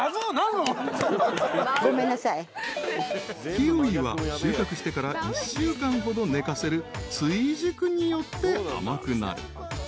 ［キウイは収穫してから１週間ほど寝かせる追熟によって甘くなる］